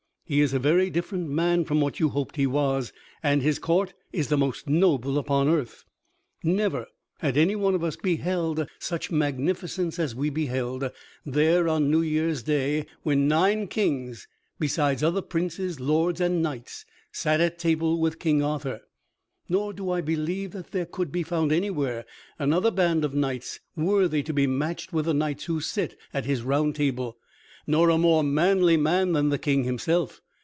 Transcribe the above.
He is a very different man from what you hoped he was, and his court is the most noble upon earth. Never had any one of us beheld such magnificence as we beheld there on New Year's Day, when nine kings, besides other princes, lords, and knights, sat at table with King Arthur. Nor do I believe that there could be found anywhere another band of knights worthy to be matched with the knights who sit at his Round Table, nor a more manly man than the King himself.